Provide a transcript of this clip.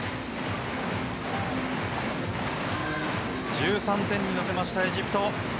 １３点に乗せたエジプト。